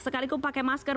sekalipun pakai masker